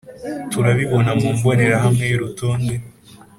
Turakibona mu mbonerahamwe y’urutonde